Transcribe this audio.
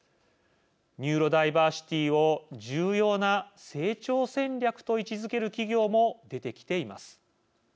ニューロダイバーシティを重要な成長戦略と位置づける企業も出てきています。